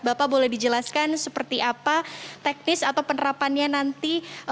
bapak boleh dijelaskan seperti apa teknis atau penerapannya nanti